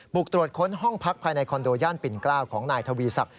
ปุกตรวจค้นห้องพักภายในคอนโดย่านปิ่นเกล้าของไนท์ธวีศัพท์